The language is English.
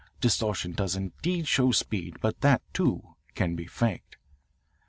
Distortion does indeed show speed, but that, too, can be faked.